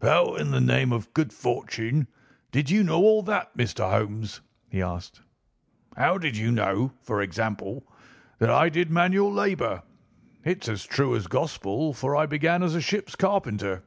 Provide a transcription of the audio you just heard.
"How, in the name of good fortune, did you know all that, Mr. Holmes?" he asked. "How did you know, for example, that I did manual labour. It's as true as gospel, for I began as a ship's carpenter."